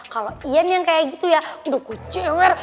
kalau ian yang kayak gitu ya udah gue cemer